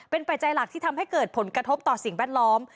เป็นปัจจัยหลักที่ทำให้เกิดผลกระทบต่อสิ่งแวดล้อม